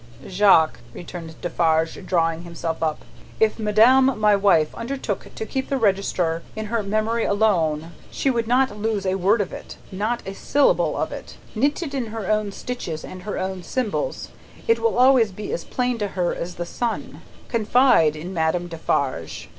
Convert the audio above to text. "Jacques," returned Defarge, drawing himself up, "if madame my wife undertook to keep the register in her memory alone, she would not lose a word of it not a syllable of it. Knitted, in her own stitches and her own symbols, it will always be as plain to her as the sun. Confide in Madame Defarge.